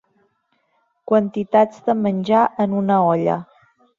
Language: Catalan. Quantitats de menjar en una olla.